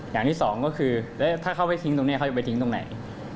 อย่างที่สองก็คือแล้วถ้าเขาไปทิ้งตรงนี้เขาจะไปทิ้งตรงไหน